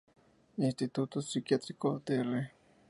Instituto Psiquiátrico Dr.